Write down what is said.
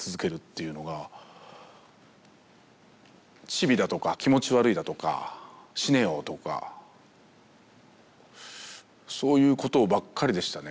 「チビ」だとか「気持ち悪い」だとか「死ねよ」とかそういうことばっかりでしたね。